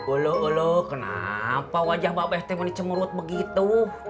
olo olo kenapa wajah mbak pst faenzy cemerut begitu